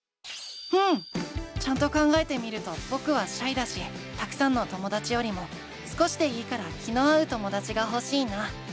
うん！ちゃんと考えてみるとぼくはシャイだしたくさんのともだちよりも少しでいいから気の合うともだちがほしいな。